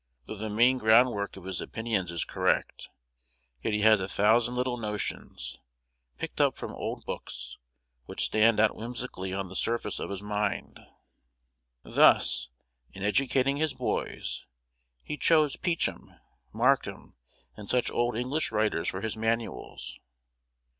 Though the main groundwork of his opinions is correct, yet he has a thousand little notions, picked up from old books, which stand out whimsically on the surface of his mind. Thus, in educating his boys, he chose Peachum, Markham, and such old English writers for his manuals.